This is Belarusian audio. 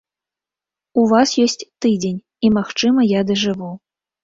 У вас ёсць тыдзень, і, магчыма, я дажыву.